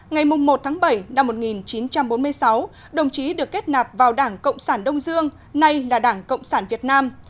ngày một tháng bảy năm một nghìn chín trăm bốn mươi sáu đồng chí được kết nạp vào đảng cộng sản đông dương nay là đảng cộng sản việt nam